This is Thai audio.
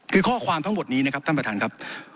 คือข้อความทั้งหมดนี้นะครับท่านประธานครับ